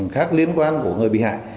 khác liên quan của người bị hại